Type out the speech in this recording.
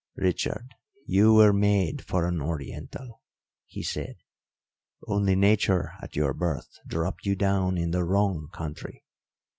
"Richard, you were made for an Oriental," he said, "only nature at your birth dropped you down in the wrong country.